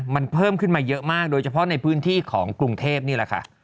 มันเพิ่มขึ้นมาเยอะมากโดยเฉพาะในพื้นที่ของกรุงเทพนี่แหละค่ะ